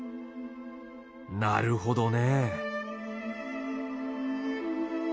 なるほどね。